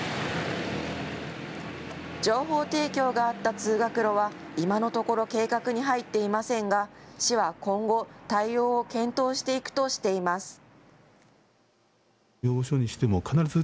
情報提供があった通学路は今のところ計画に入っていませんが、市は今後、対応を検討していくとしています。